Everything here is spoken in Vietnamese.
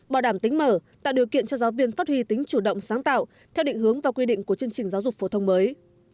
bảo đảm tính mở tạo điều kiện cho giáo viên phát huy tính chủ động sáng tạo theo định hướng và quy định của chương trình giáo dục phổ thông mới